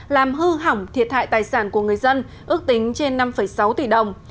làm hư hỏng thiệt hại tài sản của người dân ước tính trên năm sáu tỷ đồng